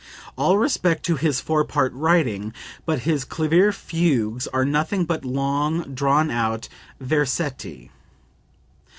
All respect to his four part writing, but his clavier fugues are nothing but long drawn out versetti."